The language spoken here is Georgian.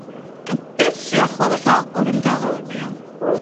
ტბის სიახლოვეს ალპური მდელოებია.